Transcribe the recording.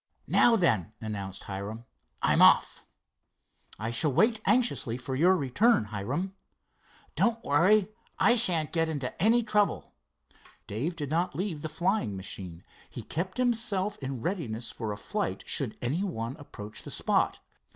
"Now then," announced Hiram. "I'm off." "I shall wait anxiously for your return, Hiram." "Don't worry, I shan't get into any trouble." Dave did not leave the flying machine. He kept himself in readiness for a flight, should anyone approach the spot.